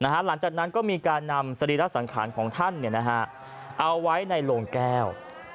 หลังจากนั้นก็มีการนำสรีระสังขารของท่านเอาไว้ในโลงแก้ว